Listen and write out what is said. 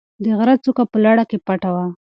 د غره څوکه په لړه کې پټه وه.